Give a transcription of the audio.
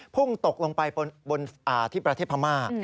พุ่งตกลงไปบนที่ประเทศพม่า